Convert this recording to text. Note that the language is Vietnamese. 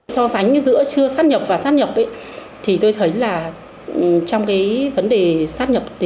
so sánh giữa chưa sát nhập và sát nhập tôi thấy trong vấn đề sát nhập